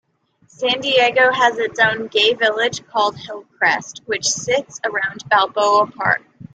San Diego has its own gay village called Hillcrest, which sits around Balboa Park.